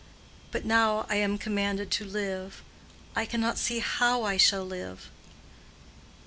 But now I am commanded to live. I cannot see how I shall live."